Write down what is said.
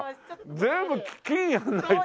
全部金やらないと。